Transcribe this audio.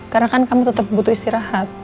karena kan kamu tetap butuh istirahat